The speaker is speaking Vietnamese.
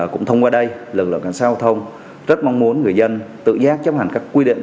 cũng thông qua đây lực lượng cảnh sát giao thông rất mong muốn người dân tự giác chấp hành các quy định